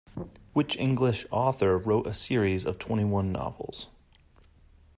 Which English author wrote a series of twenty-one novels?